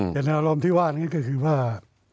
เจตนารมณ์ที่ว่านั้นก็คือว่า